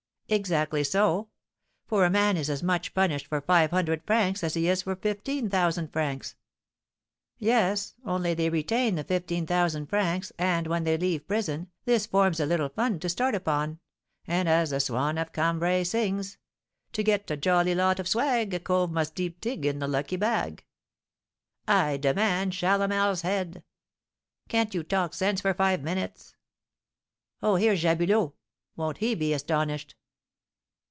"Exactly so; for a man is as much punished for five hundred francs as he is for fifteen thousand francs." "Yes; only they retain the fifteen thousand francs, and, when they leave prison, this forms a little fund to start upon; and, as the swan of Cambrai sings: 'To get a jolly lot of "swag" A cove must dip deep in the lucky bag.'" "I demand Chalamel's head!" "Can't you talk sense for five minutes?" "Ah, here's Jabulot! won't he be astonished?"